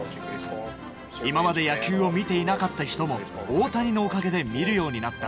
今まで野球を見ていなかった人も、大谷のおかげで見るようになった。